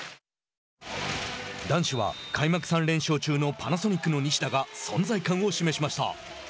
男子は開幕３連勝中のパナソニックの西田が存在感を示しました。